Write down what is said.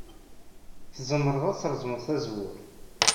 Tzemred ad treẓmed tazewwut.